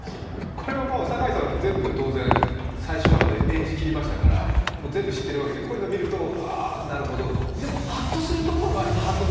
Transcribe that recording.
これはもう堺さんは全部当然、最終話まで演じきりましたから、もう全部知っているわけでこういうのを見ると、あなるほどと？でもはっとするところがあります。